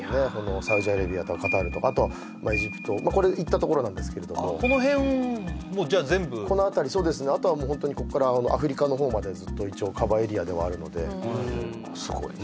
サウジアラビアとかカタールとかあとエジプトこれ行ったところなんですけれどもこの辺じゃあ全部このあたりそうですねあとはこっからアフリカのほうまでずっと一応カバーエリアではあるのですごいですね